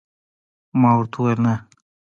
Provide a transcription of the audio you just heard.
ما ورته وویل: نه، ته نه پوهېږې.